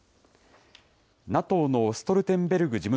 ＮＡＴＯのストルテンベルグ